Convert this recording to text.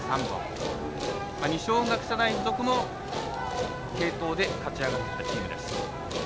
二松学舎大付属の継投で勝ち上がったチームです。